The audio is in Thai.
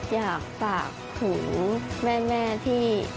อยากฝากถึงแม่ที่